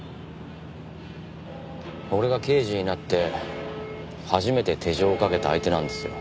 俺が刑事になって初めて手錠を掛けた相手なんですよ。